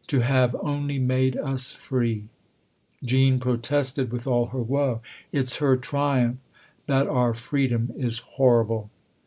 " To have only made us free." Jean protested with all her woe. " It's her triumph that our freedom is horrible